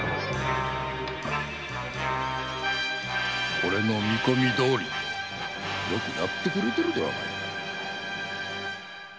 おれの見込みどおりよくやってくれているではないか。